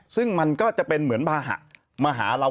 ซึ่งมันก็จะเป็นเหมือนบาหะมาหาเรา